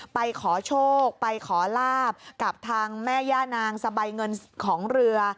ไปขอโชคไปขอลาบกับทางแม่ย่านางสบายเงินของเรือ